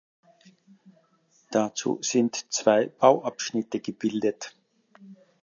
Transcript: Dazu sind zwei Bauabschnitte gebildet.